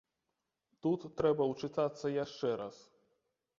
Тут трэба ўчытацца яшчэ раз.